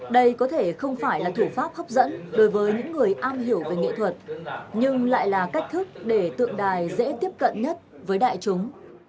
đây có thể không phải là thủ pháp hấp dẫn đối với những người am hiểu về nghệ thuật nhưng lại là cách thức để tượng đài dễ tiếp cận nhất với đại chúng